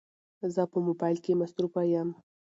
زه په موبایل کې مصروفه یم